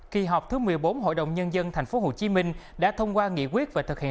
kỳ họp thứ một mươi bốn hội đồng nhân dân tp hcm đã thông qua nghị quyết về thực hiện